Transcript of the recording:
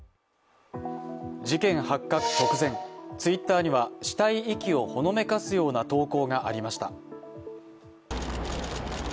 事件発覚直前、Ｔｗｉｔｔｅｒには死体遺棄をほのめかすような投稿がありました。